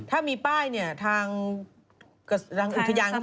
ถ้ามีป้ายเนี่ย